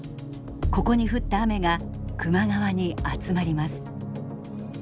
ここに降った雨が球磨川に集まります。